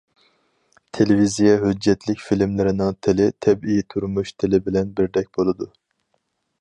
تېلېۋىزىيە ھۆججەتلىك فىلىملىرىنىڭ تىلى تەبىئىي تۇرمۇش تىلى بىلەن بىردەك بولىدۇ.